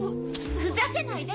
ふざけないで！